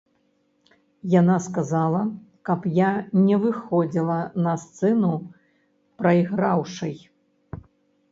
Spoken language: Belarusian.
Яна сказала, каб я не выходзіла на сцэну прайграўшай.